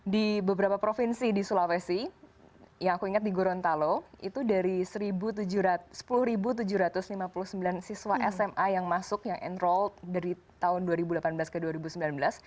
di beberapa provinsi di sulawesi yang aku ingat di gorontalo itu dari sepuluh tujuh ratus lima puluh sembilan siswa sma yang masuk yang enrold dari tahun dua ribu delapan belas ke dua ribu sembilan belas